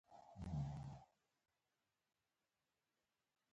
• د اور کشف د انسان په تاریخ کې مهم رول لوبولی.